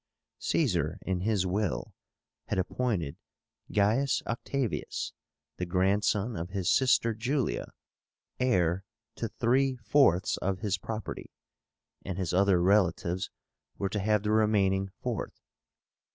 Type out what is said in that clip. Caesar in his will had appointed GAIUS OCTAVIUS, the grandson of his sister Julia, heir to three fourths of his property; and his other relatives were to have the remaining fourth.